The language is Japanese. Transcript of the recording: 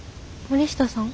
森下さん？